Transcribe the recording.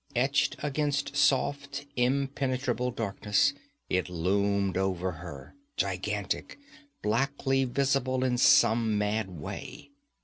Etched against soft, impenetrable darkness it loomed over her, gigantic, blackly visible in some mad way.